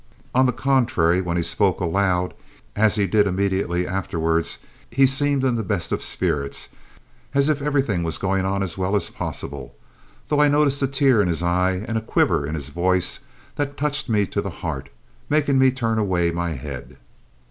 On the contrary, when he spoke aloud, as he did immediately afterwards, he seemed in the best of spirits, as if everything was going on as well as possible, though I noticed a tear in his eye and a quiver in his voice that touched me to the heart, making me turn away my head.